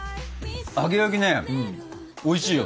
揚げ焼きねおいしいよ。